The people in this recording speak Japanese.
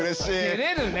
てれるね。